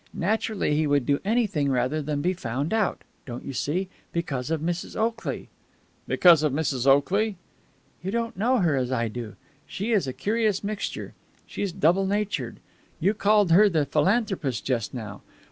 Naturally he would do anything rather than be found out. Don't you see? Because of Mrs. Oakley." "Because of Mrs. Oakley?" "You don't know her as I do. She is a curious mixture. She's double natured. You called her the philanthropist just now.